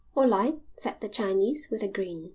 "All light," said the Chinese, with a grin.